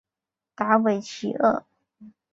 达韦齐厄。